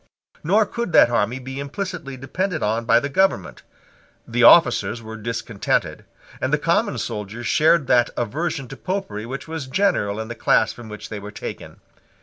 Nor could that army be implicitly depended on by the government. The officers were discontented; and the common soldiers shared that aversion to Popery which was general in the class from which they were taken.